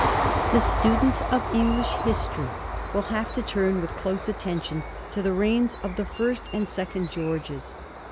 The student of English history will have to turn with close attention to the reigns of the First and Second Greorges.